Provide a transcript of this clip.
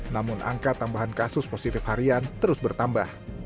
namun angka tambahan kasus positif harian terus bertambah